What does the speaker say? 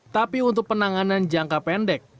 tapi untuk penanganan jangka pendek